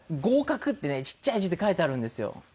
「合格」ってねちっちゃい字で書いてあるんですよ。